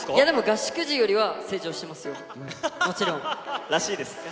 でも合宿時よりは成長してますよ。らしいです。